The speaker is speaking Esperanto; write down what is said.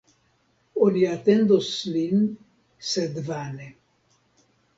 Oni atendos lin, sed vane.